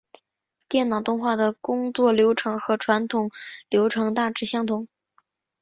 电脑动画的工作流程和传统流程大致相同。